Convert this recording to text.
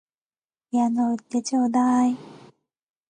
ピアノ売ってちょうだい